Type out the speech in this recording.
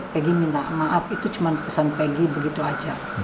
peggy minta maaf itu cuma pesan peggy begitu aja